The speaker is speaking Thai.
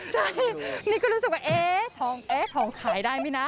ใช่นี่ก็รู้สึกว่าเอ๊ะทองเอ๊ะทองขายได้ไหมนะ